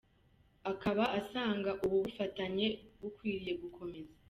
Akaba asanga ubu bufatanye bukwiriye gukomeza.